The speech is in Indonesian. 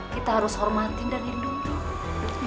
kita harus hormatin dan lindungi